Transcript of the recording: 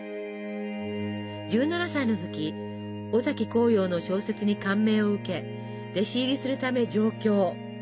１７歳の時尾崎紅葉の小説に感銘を受け弟子入りするため上京。